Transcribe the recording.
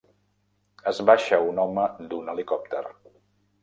Es baixa un home d'un helicòpter.